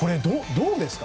どうですか。